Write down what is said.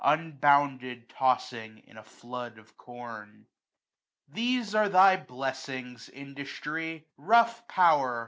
Unbounded tossing in a flood of com. These are thy blessings. Industry ! rough power